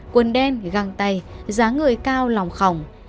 quần đen găng tay dáng người cao lòng khỏng